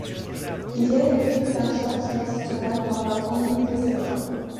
Il est le fils d'un chef traditionnel dans la commune d'Éséka.